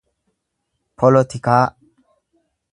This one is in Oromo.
polotikaa